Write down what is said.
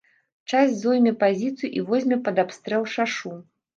Часць зойме пазіцыю і возьме пад абстрэл шашу.